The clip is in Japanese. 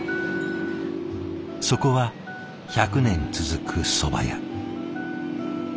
そこは１００年続くそば屋。